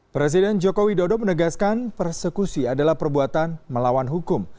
presiden jokowi dodo menegaskan persekusi adalah perbuatan melawan hukum